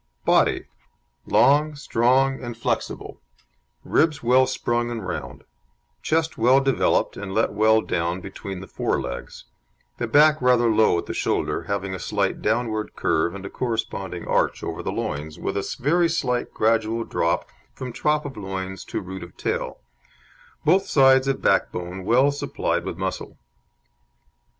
BODY Long, strong, and flexible; ribs well sprung and round, chest well developed and let well down between the fore legs; the back rather low at the shoulder, having a slight downward curve and a corresponding arch over the loins, with a very slight gradual drop from top of loins to root of tail; both sides of backbone well supplied with muscle.